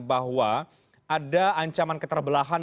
bahwa ada ancaman keterbelahan